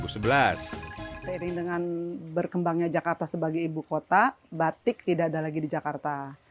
seiring dengan berkembangnya jakarta sebagai ibu kota batik tidak ada lagi di jakarta